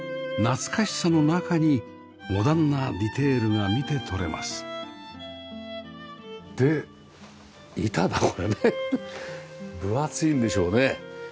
懐かしさの中にモダンなディテールが見て取れますで板がこれね分厚いんでしょうね。